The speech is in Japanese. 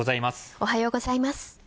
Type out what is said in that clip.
おはようございます。